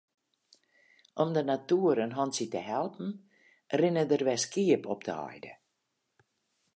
Om de natoer in hantsje te helpen rinne der wer skiep op de heide.